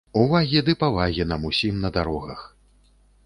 Увагі ды павагі нам усім на дарогах!